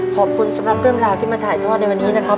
ขอบคุณสำหรับเรื่องราวที่มาถ่ายทอดในวันนี้นะครับ